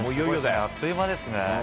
あっという間ですね。